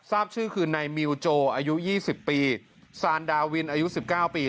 ทราบชื่อคือนายมิวโจอายุยี่สิบปีซานดาวินอายุสิบเก้าปี